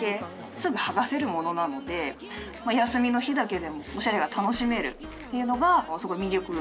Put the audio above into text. すぐ剥がせるものなので休みの日だけでもオシャレが楽しめるっていうのがすごい魅力だと思います。